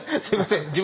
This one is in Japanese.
すいません！